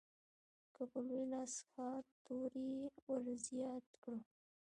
که په لوی لاس ها توری ورزیات کړو.